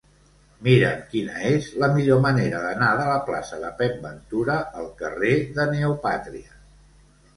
Mira'm quina és la millor manera d'anar de la plaça de Pep Ventura al carrer de Neopàtria.